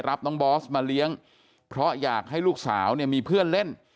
รับน้องบอสมาเลี้ยงเพราะอยากให้ลูกสาวเนี่ยมีเพื่อนเล่น